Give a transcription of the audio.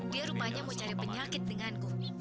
dia rupanya mau cari penyakit denganku